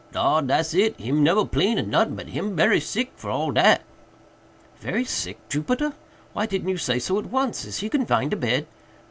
"Dar! dat's it!—him neber 'plain of notin'—but him berry sick for all dat." "Very sick, Jupiter!—why didn't you say so at once? Is he confined to bed?"